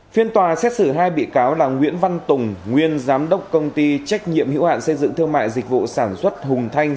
phiên tòa xét xử hai bị cáo là nguyễn văn tùng nguyên giám đốc công ty trách nhiệm hữu hạn xây dựng thương mại dịch vụ sản xuất hùng thanh